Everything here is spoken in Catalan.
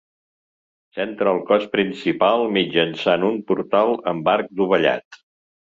S'entra al cos principal mitjançant un portal amb arc dovellat.